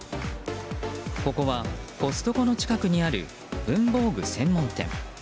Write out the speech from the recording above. ここは、コストコの近くにある文房具専門店。